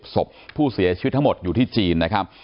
ศพผู้เสียชีวิตทั้งหมดอยู่ที่จีนนะครับ